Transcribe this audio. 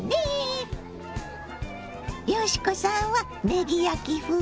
嘉子さんはねぎ焼き風？